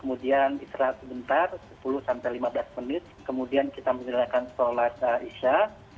kemudian kita melakukan sholat isya